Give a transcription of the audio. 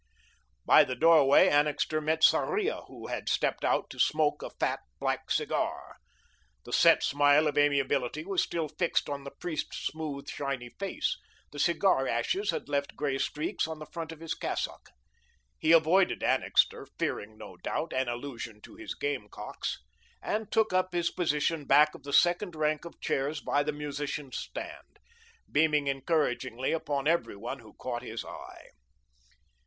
By the doorway, Annixter met Sarria, who had stepped out to smoke a fat, black cigar. The set smile of amiability was still fixed on the priest's smooth, shiny face; the cigar ashes had left grey streaks on the front of his cassock. He avoided Annixter, fearing, no doubt, an allusion to his game cocks, and took up his position back of the second rank of chairs by the musicians' stand, beaming encouragingly upon every one who caught his eye.